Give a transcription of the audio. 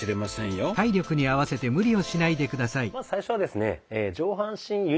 まず最初はですね